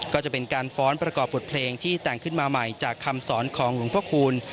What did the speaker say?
ก็จะเป็นการฟ้อนประกอบบทเพลงที่แต่งขึ้นมาใหม่จากคำสอนของหลวงพระคูณ